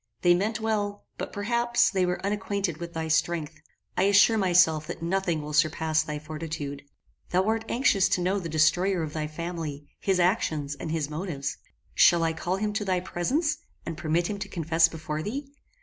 They meant well, but, perhaps, they were unacquainted with thy strength. I assure myself that nothing will surpass thy fortitude. "Thou art anxious to know the destroyer of thy family, his actions, and his motives. Shall I call him to thy presence, and permit him to confess before thee?